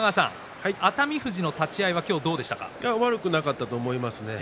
熱海富士の立ち合いは悪くなかったと思います。